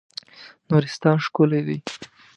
نورستان ښکلی دی.